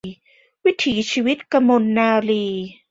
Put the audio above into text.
วิถีชีวิต - กมลนารีย์